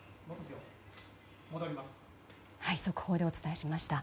速報でお伝えしました。